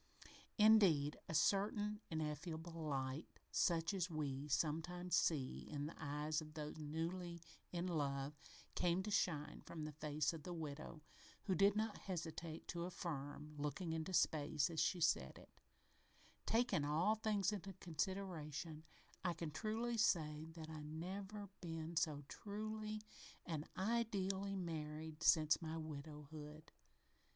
Indeed, a certain ineffable light such as we sometimes see in the eyes of those newly in love came to shine from the face of the widow, who did not hesitate to affirm, looking into space as she said it: "Takin' all things into consideration, I can truly say that I have never been so truly and ideely married as since my widowhood."